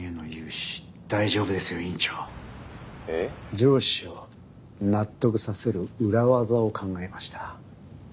上司を納得させる裏技を考えました。